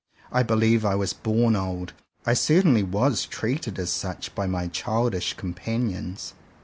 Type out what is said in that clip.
I believe I was born old. I certainly was treated as such by my childish companions.